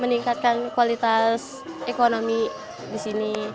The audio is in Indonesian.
meningkatkan kualitas ekonomi di sini